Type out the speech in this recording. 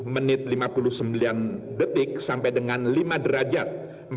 tiga puluh menit lima puluh sembilan detik sampai dengan lima derajat